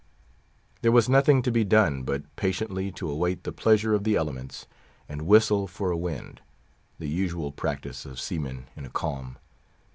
There was nothing to be done but patiently to await the pleasure of the elements, and "whistle for a wind," the usual practice of seamen in a calm.